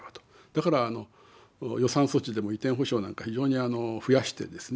だから予算措置でも移転補償なんか非常に増やしてですね